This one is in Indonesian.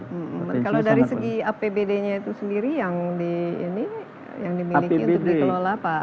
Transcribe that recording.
kalau dari segi apbd nya itu sendiri yang dimiliki untuk dikelola pak